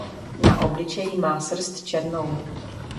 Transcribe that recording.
Na obličeji má srst černou.